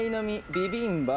ビビンバ。